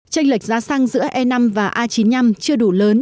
tranh lệch giá xăng giữa e năm và a chín mươi năm chưa đủ lớn